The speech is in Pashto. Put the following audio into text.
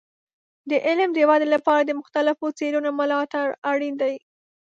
د علم د ودې لپاره د مختلفو څیړنو ملاتړ اړین دی.